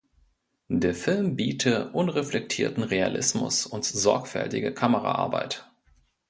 Der Film biete "„unreflektierten Realismus“" und sorgfältige Kameraarbeit.